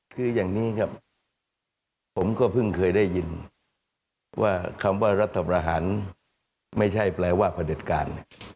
คืออย่างนี้ครับผมก็เพิ่งเคยได้ยินว่าคำว่ารัฐประหารไม่ใช่แปลว่าพระเด็จการ